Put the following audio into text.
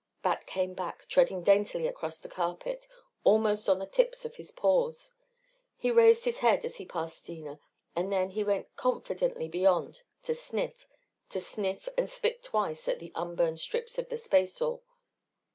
Bat came back, treading daintily across the carpet, almost on the tips of his paws. He raised his head as he passed Steena and then he went confidently beyond to sniff, to sniff and spit twice at the unburned strips of the spaceall.